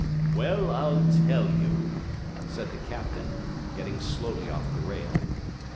'Well, I'll tell you,' said the captain, getting slowly off the rail.